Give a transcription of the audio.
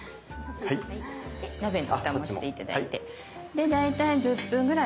で鍋のふたもして頂いて大体１０分ぐらい煮ます。